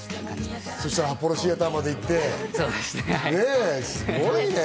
そしたらアポロシアターまで行ってすごいね。